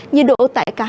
nhiệt độ tại cả hạng